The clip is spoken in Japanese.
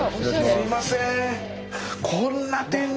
すいません。